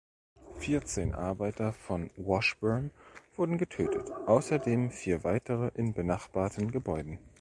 Vierzehn Arbeiter von Washburn wurden getötet, außerdem vier weitere in benachbarten Gebäuden.